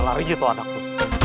lari aja tuh anak lu